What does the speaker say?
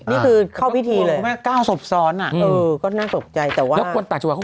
นี่คือเข้าพิธีเลย